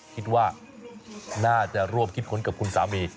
คิดว่าน่าจะร่วมคิดค้นกับคุณสามี